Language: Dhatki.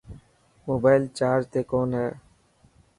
موبائل چارج تي ڪون هي.